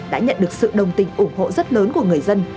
đã nhận được sự đồng tình ủng hộ rất lớn của người dân